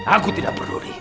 aku tidak peduli